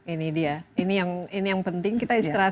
ini dia ini yang penting kita istirahat